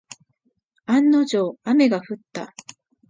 案の定、雨が降った。